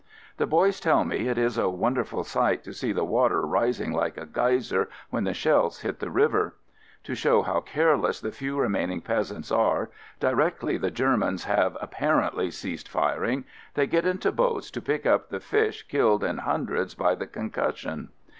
The boys tell me it is a wonderful sight to see the water rising like a geyser when the shells hit in the river. To show how careless the few remaining peasants are, directly the Germans have "appar ently" ceased firing, they get into boats to pick up the fish killed in hundreds by the concussion.